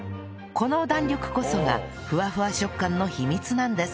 この弾力こそがふわふわ食感の秘密なんです